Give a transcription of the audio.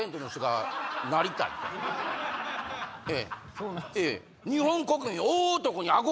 そうなんですか。